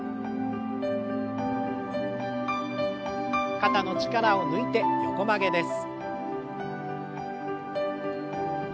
肩の力を抜いて横曲げです。